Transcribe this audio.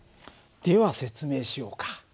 では説明しようか。